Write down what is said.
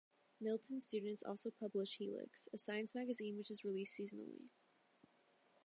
Milton students also publish "Helix", a science magazine which is released seasonally.